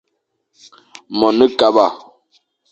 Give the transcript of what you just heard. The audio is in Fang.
Mone kaba.